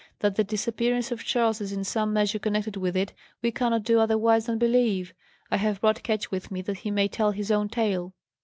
That the disappearance of Charles is in some measure connected with it, we cannot do otherwise than believe. I have brought Ketch with me that he may tell his own tale."